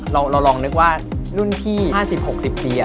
เราลองนึกว่ารุ่นพี่๕๐๖๐ปี